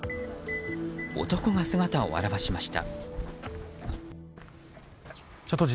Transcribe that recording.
男が姿を現しました。